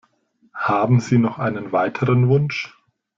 Haben Sie noch einen weiteren Wunsch?